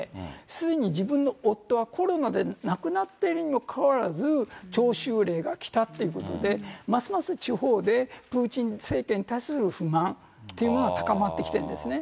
すでに自分の夫はコロナで亡くなっているにもかかわらず、徴収令が来たってことで、ますます地方でプーチン政権に対する不満っていうものが高まってきてるんですね。